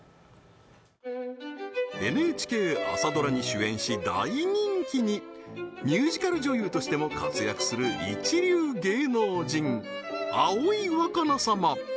ＮＨＫ朝ドラに主演し大人気にミュージカル女優としても活躍する一流芸能人葵わかな様